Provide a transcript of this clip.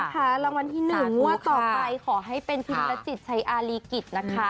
ขอแล้วนะคะรางวัลที่๑มวดต่อไปขอให้เป็นพิมพ์ละจิตชัยอารีกิจนะคะ